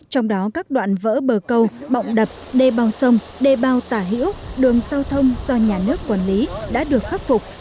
trong đó các đoạn vỡ bờ câu bọng đập đê bao sông đê bao tả hữu đường giao thông do nhà nước quản lý đã được khắc phục